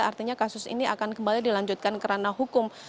artinya kasus ini akan kembali dilanjutkan kerana hukum